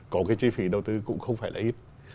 có cái chi phí đầu tư cũng không phải là ít